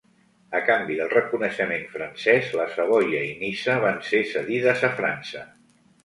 A canvi del reconeixement francès la Savoia i Niça van ser cedides a França.